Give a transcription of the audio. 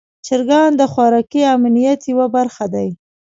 چرګان د خوراکي امنیت یوه برخه دي.